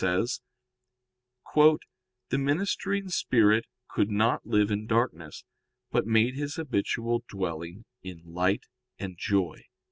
says: "The ministering spirit could not live in darkness, but made his habitual dwelling in light and joy."